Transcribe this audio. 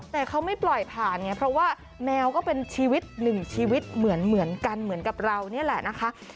แต่เขาไม่ปล่อยผ่านไงเพราะว่าแมวก็เป็นชีวิตหนึ่งชีวิตเหมือนกันเหมือนกับเรานี่แหละนะคะ